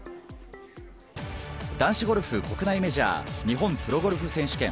男子ゴルフ国内メジャー日本プロゴルフ選手権。